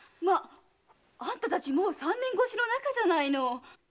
まああんたたちもう三年越しの仲じゃないの。